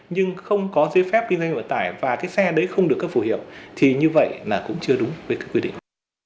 nhưng không có giấy phép kinh doanh vận tải và cái xe đấy không được cấp phủ hiệu thì như vậy là cũng chưa đúng với quy định